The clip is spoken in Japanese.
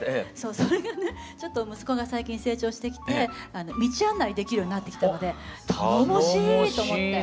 それがねちょっと息子が最近成長してきて道案内できるようになってきたので頼もしいと思って。